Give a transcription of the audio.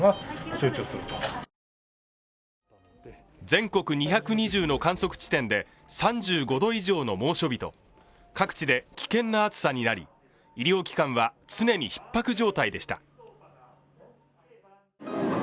全国２２０の観測地点で３５度以上の猛暑日と、各地で危険な暑さになり医療機関は常にひっ迫状態でした。